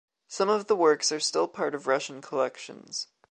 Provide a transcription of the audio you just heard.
Some of the works are still part of Russian collections